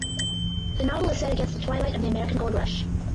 The novel is set against the twilight of the American gold rush.